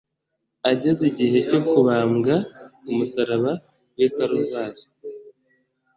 ageze igihe cyo kubambwa ku musaraba w’i kaluvari